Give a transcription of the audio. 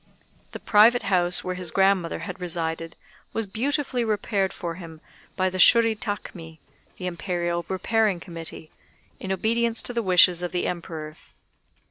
The private house, where his grandmother had resided, was beautifully repaired for him by the Shuri Takmi the Imperial Repairing Committee in obedience to the wishes of the Emperor.